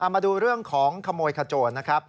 มาดูเรื่องของขโมยขจวน